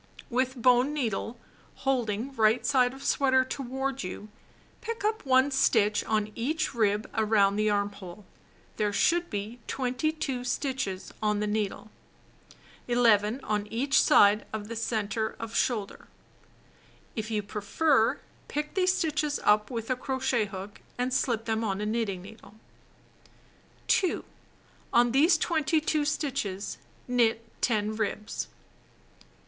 With bone needle, holding right side of sweater toward you, pick up 1 stitch on each rib around the armhole. (See page 202.) On safet There should be 22 stitches on the needle, 11 on each side of center of shoulder. If you prefer, pick these stitches up with a crochet hook, and slip them on a knitting needle. 2. On these 22 stitches, knit 10 ribs.